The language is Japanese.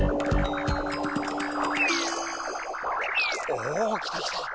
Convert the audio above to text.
おおきたきた。